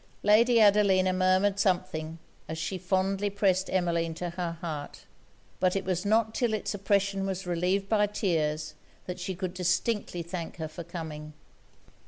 Lady Adelina murmured something, as she fondly pressed Emmeline to her heart; but it was not till it's oppression was relieved by tears, that she could distinctly thank her for coming.